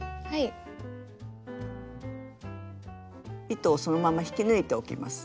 糸をそのまま引き抜いておきます。